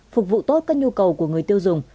phục vụ tốt các nhu cầu của người tiêu dùng